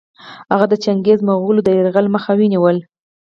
هغه د چنګېزي مغولو د یرغل مخه ونیوله.